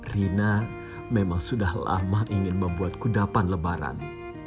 rina memang sudah lama ingin membuat kudapan lebaran